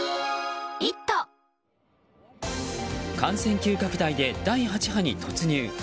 感染急拡大で第８波に突入。